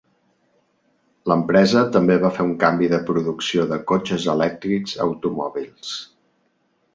L'empresa també va fer un canvi de producció de cotxes elèctrics a automòbils.